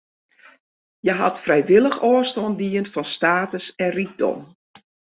Hja hat frijwillich ôfstân dien fan status en rykdom.